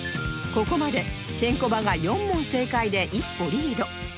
ここまでケンコバが４問正解で一歩リード